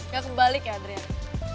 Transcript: gak kembali ya adriana